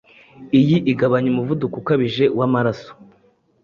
iyi igabanya umuvuduko ukabije w’amaraso.